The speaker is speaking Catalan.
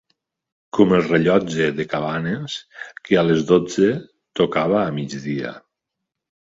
Com el rellotge de Cabanes, que a les dotze tocava a migdia.